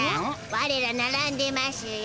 われらならんでましゅよ。